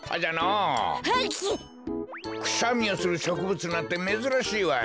くしゃみをするしょくぶつなんてめずらしいわい。